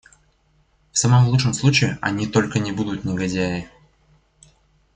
В самом лучшем случае они только не будут негодяи.